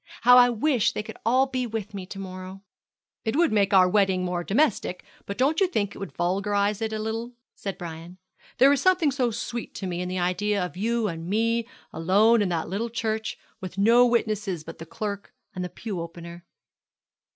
How I wish they could all be with me to morrow!' 'It would make our wedding more domestic, but don't you think it would vulgarize it a little?' said Brian. 'There is something so sweet to me in the idea of you and me alone in that little church, with no witnesses but the clerk and the pew opener.'